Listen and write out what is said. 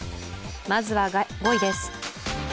まずは５位です。